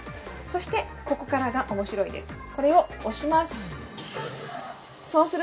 そしてここからがおもしろいです。